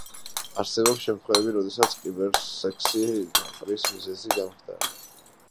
არსებობს შემთხვევები, როდესაც კიბერსექსი გაყრის მიზეზი გამხდარა.